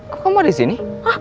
kok kamu ada disini